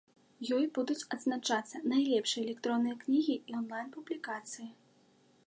Ёй будуць адзначацца найлепшыя электронныя кнігі і онлайн-публікацыі.